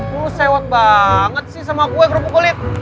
lo sewak banget sih sama gue kerupuk kulit